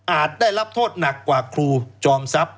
ได้รับโทษหนักกว่าครูจอมทรัพย